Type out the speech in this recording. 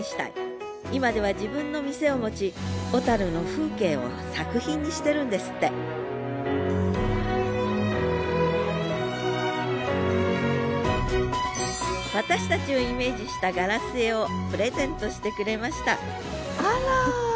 今では自分の店を持ち小の風景を作品にしてるんですって私たちをイメージしたガラス絵をプレゼントしてくれましたあら。